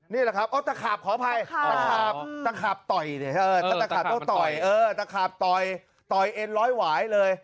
นี่แหละครับตะขาบขออภัยตะขาบต่อยเนี่ยตะขาบต่อยต่อยเอ็นร้อยหวายเลย